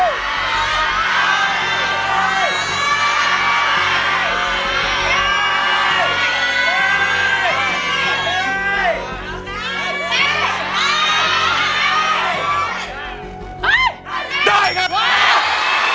หลงได้ให้ล้างหลงได้ให้ล้าง